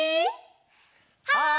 はい！